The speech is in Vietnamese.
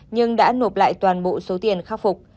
nhưng đã nộp lại toàn bộ số tiền khắc phục